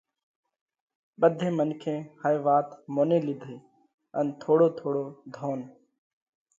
ٻڌي منکي هائي وات موني لِيڌئِي ان ٿوڙو ٿوڙو ڌونَ